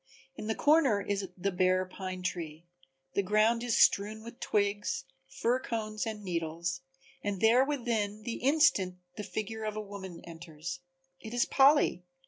In the corner is the bare pine tree, the ground is strewn with twigs, fir cones and needles, and there within the instant the figure of a woman enters. It is Polly!